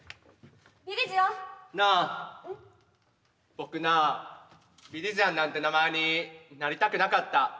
僕なビリジアンなんて名前になりたくなかった。